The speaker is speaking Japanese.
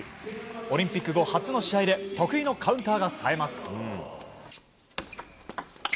オリンピック後初の試合で得意のカウンターがさえます。